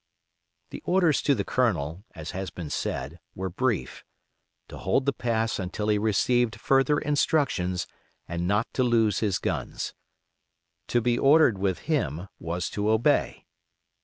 The orders to the Colonel, as has been said, were brief: To hold the pass until he received further instructions, and not to lose his guns. To be ordered, with him, was to obey.